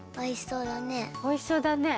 おいしそうだね。